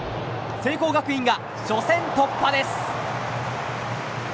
聖光学院が初戦突破です。